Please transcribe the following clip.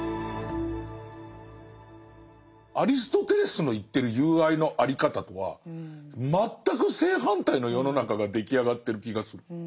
アリストテレスの言ってる友愛のあり方とは全く正反対の世の中が出来上がってる気がする。